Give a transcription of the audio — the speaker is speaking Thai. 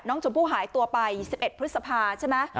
น้องชมพู่หายตัวไปสิบเอ็ดพฤษภาใช่ไหมอ่า